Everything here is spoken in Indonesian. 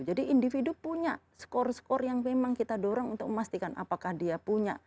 jadi individu punya skor skor yang memang kita dorong untuk memastikan apakah dia punya